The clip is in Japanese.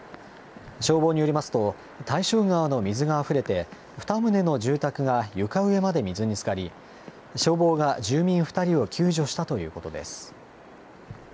消防によりますと、大正川の水があふれて、２棟の住宅が床上まで水につかり、消防が住民２人を救助したということです。